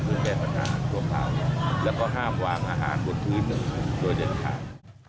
เพื่อแก้ปัญหาชั่วคราวแล้วก็ห้ามวางอาหารบนพื้นโดยเด็ดขาด